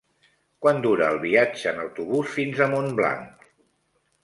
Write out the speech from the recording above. Quant dura el viatge en autobús fins a Montblanc?